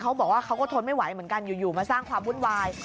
เค้าบอกว่าเค้าก็ทนไม่ไหวเหมือนกันอยู่มาสร้างความวุ่นวาย